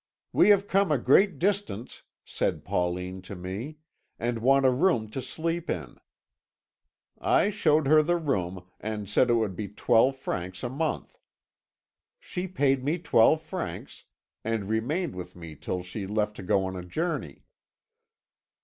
'We have come a great distance,' said Pauline to me, 'and want a room to sleep in.' I showed her the room, and said it would be twelve francs a month. She paid me twelve francs, and remained with me till she left to go on a journey."